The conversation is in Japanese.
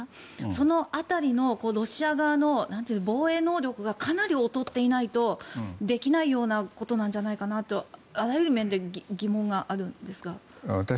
その辺りのロシア側の防衛能力がかなり劣っていないとできないようなことじゃないかとあらゆる面で疑問があるんですが。